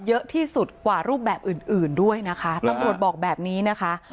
เยอะที่สุดกว่ารูปแบบอื่นอื่นด้วยนะคะตำรวจบอกแบบนี้นะคะ